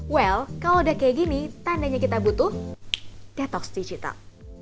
well kalau udah kayak gini tandanya kita butuh detox digital